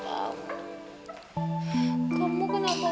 kamu kenapa gak berani cinta sama aku neo